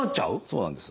そうなんです。